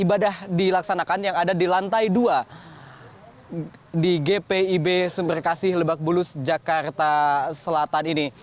ibadah dilaksanakan yang ada di lantai dua di gpib sumberkasih lebak bulus jakarta selatan ini